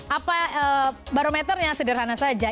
apa barometernya sederhana saja